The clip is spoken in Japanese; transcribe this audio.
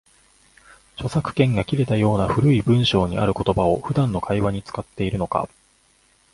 著作権が切れたような古い文章にある言葉を、普段の会話に使っているのか